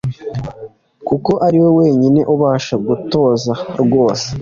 Kuko ari we wenyine ubasha kutwoza rwose.